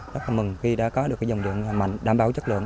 rất là mừng khi đã có được cái dòng điện mạnh đảm bảo chất lượng